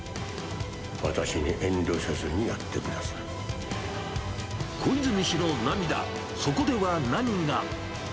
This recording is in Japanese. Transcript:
私に遠慮せずにやってくださ小泉氏の涙、そこでは何が。